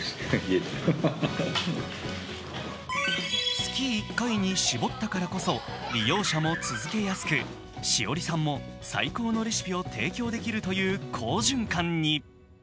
月１回に絞ったからこそ、利用者も続けやすくＳＨＩＯＲＩさんも最高のレシピを提供できるという好循環に。